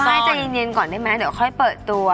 โอ้ยปล่อยใจเย็นก่อนได้ไหมเดี๋ยวข้อยเปิดตัว